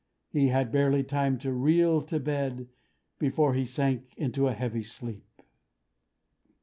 He had barely time to reel to bed, before he sank into a heavy sleep.